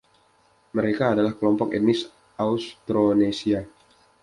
Mereka adalah kelompok etnis Austronesia.